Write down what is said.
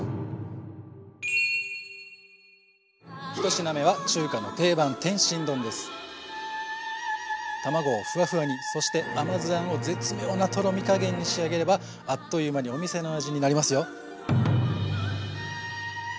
ひと品目は中華の定番卵をフワフワにそして甘酢あんを絶妙なとろみ加減に仕上げればあっという間にお店の味になりますよ。